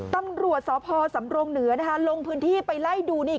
ตำรวจสพสำรงเหนือนะคะลงพื้นที่ไปไล่ดูนี่